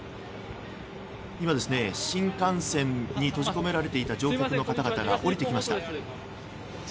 今、新幹線に閉じ込められていた乗客の方々が降りてきました。